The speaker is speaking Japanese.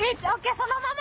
そのまま？